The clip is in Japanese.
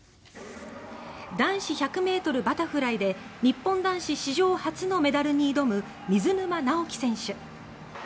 男子１００ｍバタフライで日本男子史上初のメダルに挑む水沼尚輝選手。